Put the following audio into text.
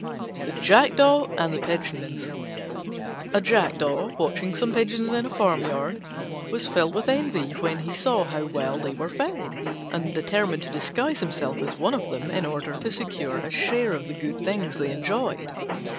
THE JACKDAW AND THE PIGEONS A Jackdaw, watching some Pigeons in a farmyard, was filled with envy when he saw how well they were fed, and determined to disguise himself as one of them, in order to secure a share of the good things they enjoyed.